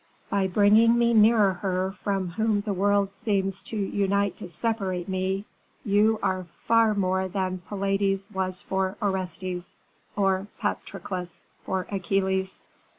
By bringing me nearer her from whom the world seems to unite to separate me you are far more than Pylades was for Orestes, or Patroclus for Achilles."